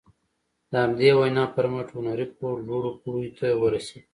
د همدې وينا پر مټ هنري فورډ لوړو پوړيو ته ورسېد.